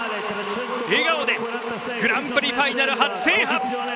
笑顔でグランプリファイナル初制覇！